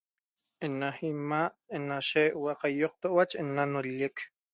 Ena imaa ena shiaxauapi caiqtoua ena nolleq